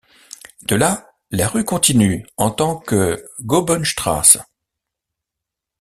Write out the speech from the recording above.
De là, la rue continue en tant que Goebenstraße.